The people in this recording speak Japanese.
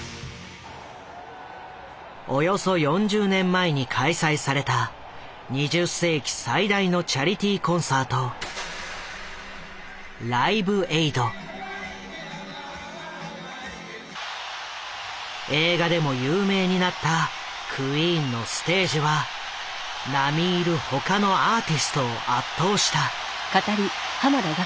およそ４０年前に開催された２０世紀最大のチャリティーコンサート映画でも有名になったクイーンのステージは並み居る他のアーティストを圧倒した。